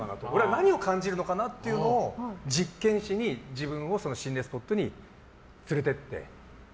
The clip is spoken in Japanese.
何を感じるのかなっていうのを実験しに自分を心霊スポットに連れて行って。